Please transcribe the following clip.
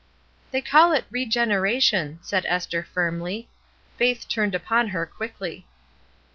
'' "They call it 'regeneration/" said Esther, firmly. Faith turned upon her quickly.